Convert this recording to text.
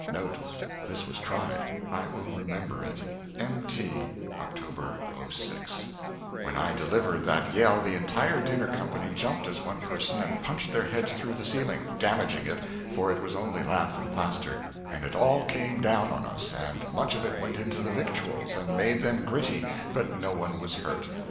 When I delivered that yell the entire dinner company jumped as one person, and punched their heads through the ceiling, damaging it, for it was only lath and plaster, and it all came down on us, and much of it went into the victuals and made them gritty, but no one was hurt.